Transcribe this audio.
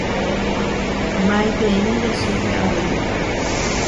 Maitei nde sýpe avei.